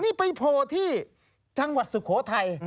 นี่ไปโผล่ที่จังหวัดสุโขทัย